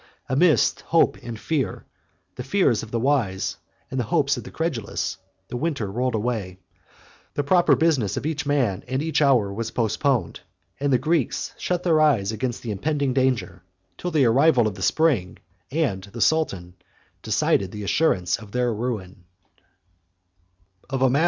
Amidst hope and fear, the fears of the wise, and the hopes of the credulous, the winter rolled away; the proper business of each man, and each hour, was postponed; and the Greeks shut their eyes against the impending danger, till the arrival of the spring and the sultan decide the assurance of their ruin.